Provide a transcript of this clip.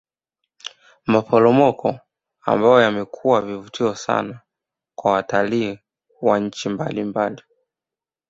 Maporomoko ambayo yamekuwa vivutio sana kwa watalii wa nchi mbalimbali